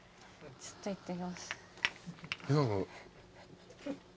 ちょっといってみます。